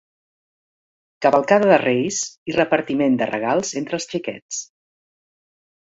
Cavalcada de Reis i repartiment de regals entre els xiquets.